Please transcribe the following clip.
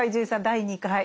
第２回。